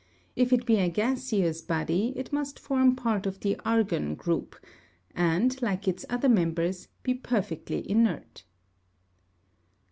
If it be a gaseous body, it must form part of the argon group, and, like its other members, be perfectly inert.